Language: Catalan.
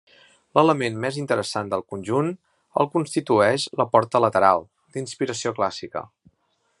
L'element més interessant del conjunt el constitueix la porta lateral, d'inspiració clàssica.